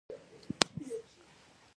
دا ژورنال په امریکا کې خورا مسلکي ګڼل کیږي.